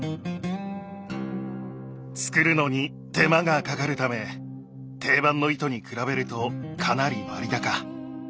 作るのに手間がかかるため定番の糸に比べるとかなり割高。